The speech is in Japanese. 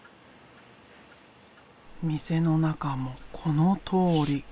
店の中もこのとおり。